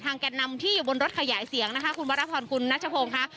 ทางแก่นำที่อยู่บนรถขยายเสียงนะคะคุณวัตถอนคุณนัชโภงค่ะ